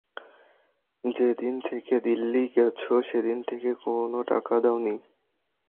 যেদিন থেকে দিল্লি গেছ সেদিন থেকে কোনো টাকা দাওনি।